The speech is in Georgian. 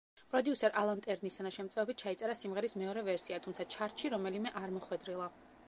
პროდიუსერ ალან ტერნის თანაშემწეობით ჩაიწერა სიმღერის მეორე ვერსია, თუმცა ჩარტში რომელიმე არ მოხვედრილა.